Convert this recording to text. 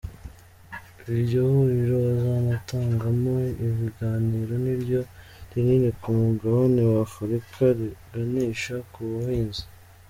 Iryo huriro bazanatangamo ibiganiro, ni ryo rinini ku mugabane wa Afurika riganisha ku buhinzi.